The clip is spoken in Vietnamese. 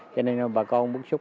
cho nên bà con bức xúc